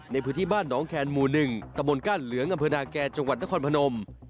ในพื้นที่บ้านน้องแคนหมู่๑ตะบนก้านเหลืองอำเภอนาแก่จังหวัดนครพนม